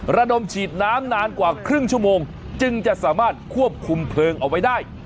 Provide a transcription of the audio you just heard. ระดมฉีดน้ำนานกว่าครึ่งชั่วโมงจึงจะสามารถควบคุมเพลิงเอาไว้ได้